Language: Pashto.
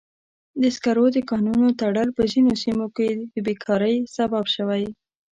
د سکرو د کانونو تړل په ځینو سیمو کې د بیکارۍ سبب شوی.